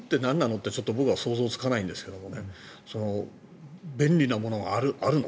って僕は想像つかないんですが便利なものがあるの？